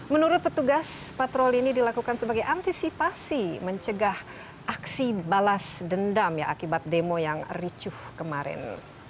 menurut petugas patroli ini dilakukan sebagai antisipasi mencegah aksi balas dendam ya akibat demo yang ricuh kemarin